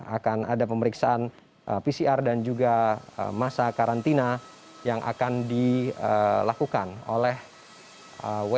akan ada pemeriksaan pcr dan juga masa karantina yang akan dilakukan oleh wni